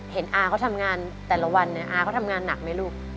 เห็นอาเขาทำงานแต่ละวันอาเขาทำงานหนักไหมลูก